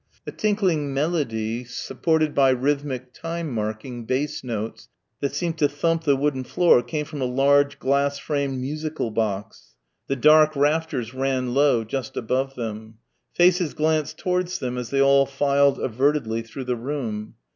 A tinkling melody supported by rhythmic time marking bass notes that seemed to thump the wooden floor came from a large glass framed musical box. The dark rafters ran low, just above them. Faces glanced towards them as they all filed avertedly through the room.